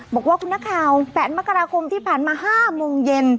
บอกว่าคุณนักข่าว๘มกราคมที่ผ่านมา๕โมงเย็น